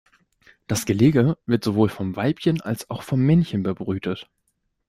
Das Gelege wird sowohl vom Weibchen als auch vom Männchen bebrütet.